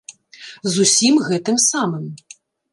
З усім гэтым самым.